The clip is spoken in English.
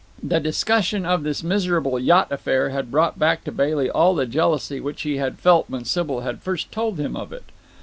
The discussion of this miserable yacht affair had brought back to Bailey all the jealousy which he had felt when Sybil had first told him of it.